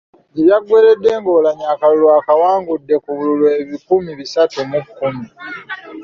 Gye byaggweeredde nga Oulanyah akalulu akawangudde ku bululu ebikumi bisatu mu kkumi.